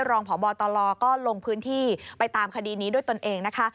รองพบตลก็ลงพื้นที่ไปตามคดีนี้ด้วยตนเองนะคะ